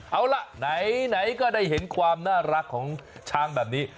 เอาล่ะไหนก็ได้เห็นความน่ารักของช้างแบบนี้